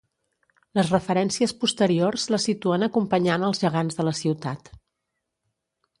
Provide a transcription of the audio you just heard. Les referències posteriors la situen acompanyant els gegants de la ciutat.